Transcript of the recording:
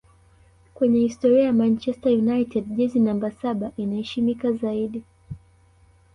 Kwenye historia ya manchester united jezi namba saba inaheshimika zaidi